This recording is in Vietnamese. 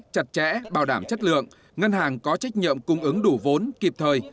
chặt chẽ bảo đảm chất lượng ngân hàng có trách nhiệm cung ứng đủ vốn kịp thời